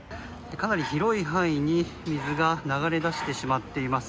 かなり広い範囲に水が流れ出してしまっています。